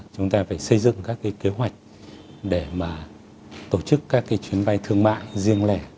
chúng ta phải xây dựng các cái kế hoạch để mà tổ chức các cái chuyến bay thương mại riêng lẻ